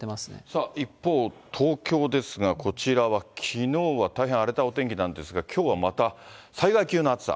さあ、一方、東京ですが、こちらはきのうは大変荒れたお天気なんですが、きょうはまた災害級の暑さ。